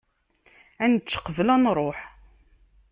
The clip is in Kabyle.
Ad nečč qbel ad nruḥ.